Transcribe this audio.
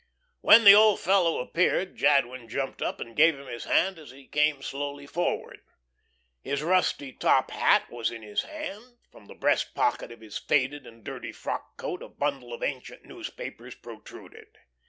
When the old fellow appeared Jadwin jumped up and gave him his hand as he came slowly forward. His rusty top hat was in his hand; from the breast pocket of his faded and dirty frock coat a bundle of ancient newspapers protruded.